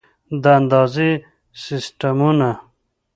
د اندازې سیسټمونه